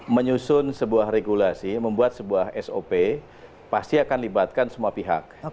menyusun sebuah regulasi membuat sebuah sop pasti akan libatkan semua pihak